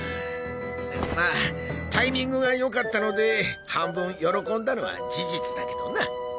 まタイミングがよかったので半分喜んだのは事実だけどな。